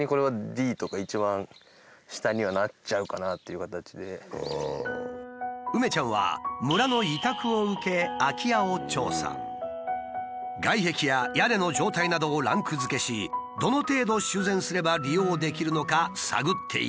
ここから梅ちゃんは外壁や屋根の状態などをランクづけしどの程度修繕すれば利用できるのか探っていく。